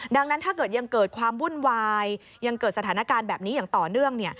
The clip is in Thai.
ดังนั้นถ้าเกิดยังเกิดความวุ่นวายยังเกิดสถานการณ์แบบนี้อย่างต่อเนื่อง